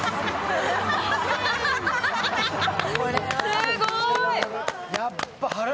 すごーい。